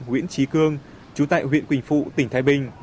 nguyễn trí cương chú tại huyện quỳnh phụ tỉnh thái bình